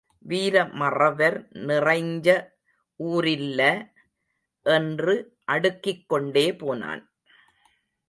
வீர மறவர் நிறைஞ்ச ஊரில்ல என்று அடுக்கிக் கொண்டே போனான்.